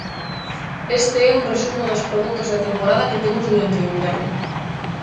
Este é un resumo dos produtos de temporada que temos durante o inverno.